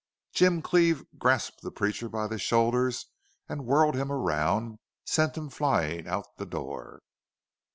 Jim Cleve grasped the preacher by the shoulders and, whirling him around, sent him flying out of the door.